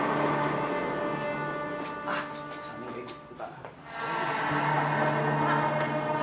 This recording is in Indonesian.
tidak ada masalah